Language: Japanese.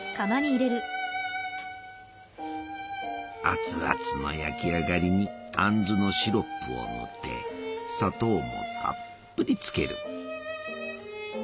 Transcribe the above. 熱々の焼き上がりにあんずのシロップを塗って砂糖もたっぷりつける。